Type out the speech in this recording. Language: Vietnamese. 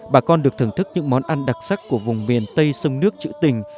bà con được thưởng thức những món ăn đặc sắc của vùng biển tây sông nước chữ tình